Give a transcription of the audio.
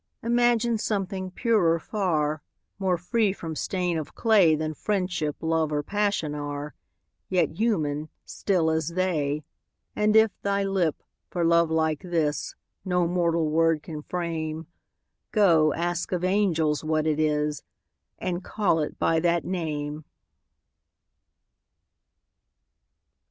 Imagine something purer far, More free from stain of clay Than Friendship, Love, or Passion are, Yet human, still as they: And if thy lip, for love like this, No mortal word can frame, Go, ask of angels what it is, And call it by that name!